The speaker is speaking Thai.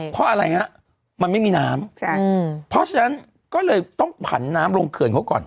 เพราะอะไรฮะมันไม่มีน้ำเพราะฉะนั้นก็เลยต้องผันน้ำลงเขื่อนเขาก่อน